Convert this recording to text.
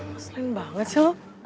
masalahin banget sih lo